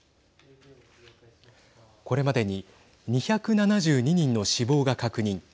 これまでに２７２人の死亡が確認。